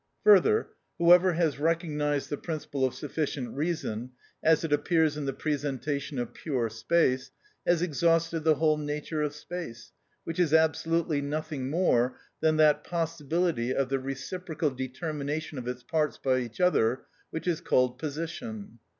Further, whoever has recognised the principle of sufficient reason as it appears in the presentation of pure space, has exhausted the whole nature of space, which is absolutely nothing more than that possibility of the reciprocal determination of its parts by each other, which is called position.